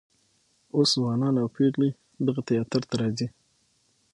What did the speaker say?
اوس ځوانان او پیغلې دغه تیاتر ته راځي.